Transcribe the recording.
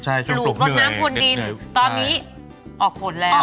ใช่ช่วงปลูกเหนื่อยเด็ดเหนือปลูกรถน้ำพวนดินตอนนี้ออกผลแล้ว